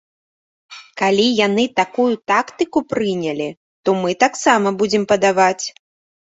Калі яны такую тактыку прынялі, то мы таксама будзем падаваць.